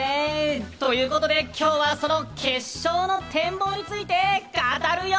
ということで今日はその決勝の展望についてカタるよ！